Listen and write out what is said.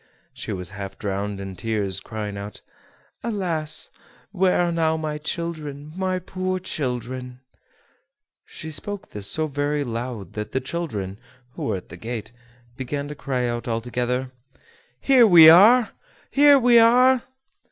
She was half drowned in tears, crying out: "Alas! where are now my children, my poor children?" She spoke this so very loud that the children, who were at the gate, began to cry out all together: "Here we are! Here we are!"